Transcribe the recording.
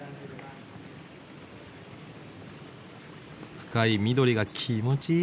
深い緑が気持ちいい。